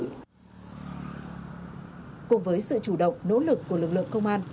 cùng với sự chủ động nỗ lực của lực lượng công an